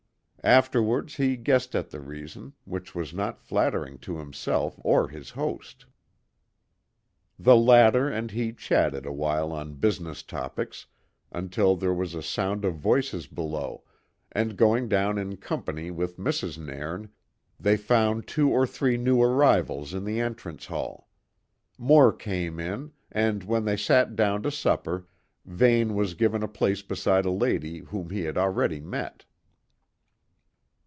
Afterwards he guessed at the reason, which was not flattering to himself or his host. The latter and he chatted awhile on business topics, until there was a sound of voices below, and going down in company with Mrs. Nairn they found two or three new arrivals in the entrance hall. More came in, and when they sat down to supper, Vane was given a place beside a lady whom he had already met.